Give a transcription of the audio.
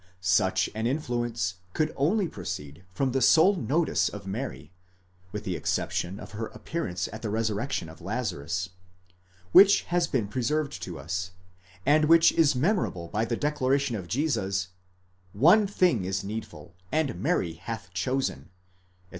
Such an influence could only proceed from the sole notice of Mary (with the exception of her appearance at the resurrection of Lazarus) which has been preserved to us, and which is rendered memorable by the declaration of Jesus, Oue thing is neédful, and Mary hath chosen, etc.